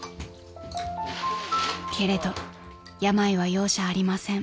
［けれど病は容赦ありません］